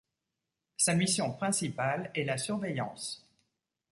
Sa mission principale est la surveillance.